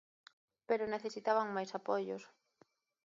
Pero necesitaban máis apoios.